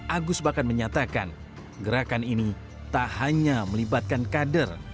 agus bahkan menyatakan gerakan ini tak hanya melibatkan kader